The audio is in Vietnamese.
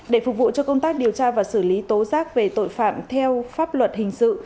để phục vụ cho công tác điều tra và xử lý tố giác về tội phạm theo pháp luật hình sự